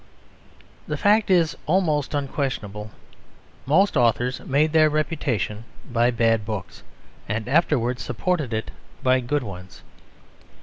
The fact is almost unquestionable: most authors made their reputation by bad books and afterwards supported it by good ones.